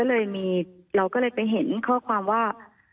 เราก็เลยไปเห็นข้อความว่า